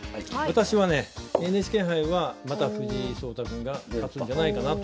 私はねＮＨＫ杯はまた藤井聡太君が勝つんじゃないかなと。